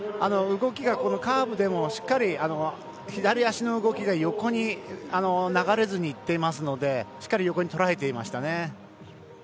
動きがカーブでもしっかり左足の動きが横に流れずにいっていますのでしっかり横に捉えていましたね。